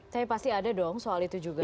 tapi pasti ada dong soal itu juga